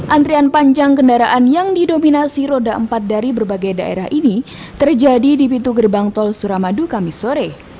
antrian panjang kendaraan yang didominasi roda empat dari berbagai daerah ini terjadi di pintu gerbang tol suramadu kami sore